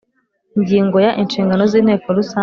Ingingo ya inshingano z inteko rusange